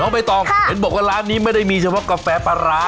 ไม่ต้องเห็นบอกว่าร้านนี้ไม่ได้มีเฉพาะกาแฟปลาร้า